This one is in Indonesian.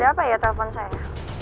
ada apa ya telepon saya